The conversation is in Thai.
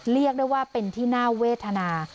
เรียกได้ว่าเป็นที่น่าเวทนา